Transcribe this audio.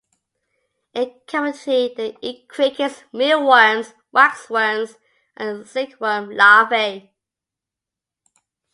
In captivity, they eat crickets, mealworms, waxworms and silkworm larvae.